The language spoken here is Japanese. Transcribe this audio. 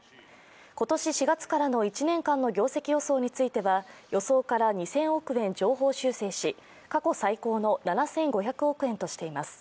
今年４月からの１年間の業績予想については、予想から２０００億円上方修正し、過去最高の７５００億円としています。